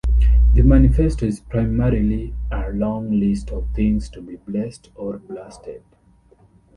The manifesto is primarily a long list of things to be 'Blessed' or 'Blasted'.